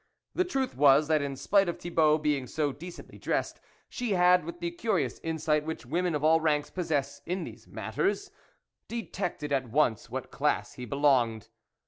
The truth was, that in spite of Thibault being so decently dressed, she had, with the curious insight which women of all ranks possess in these matters, detected at once to what class he be longed.